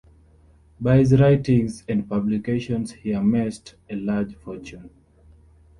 By his writings and publications he amassed a large fortune.